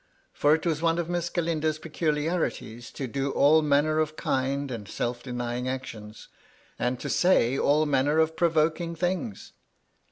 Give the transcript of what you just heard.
For it was one of Miss Galindo's peculiarities to do all manner of kind and self denying actions, and to say all manner of pro voking things.